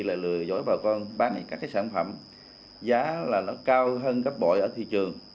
là lừa dối bà con bán các sản phẩm giá là nó cao hơn các bội ở thị trường